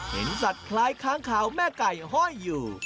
สัตว์คล้ายค้างขาวแม่ไก่ห้อยอยู่